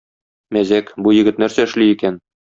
Мәзәк: бу егет нәрсә эшли икән?